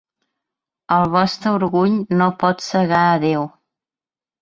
El vostre orgull no pot cegar a Déu!